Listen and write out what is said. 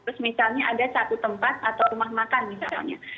terus misalnya ada satu tempat atau rumah makan misalnya